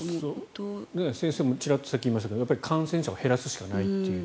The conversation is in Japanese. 先生もちらっとさっき言いましたが感染者を減らすしかないという。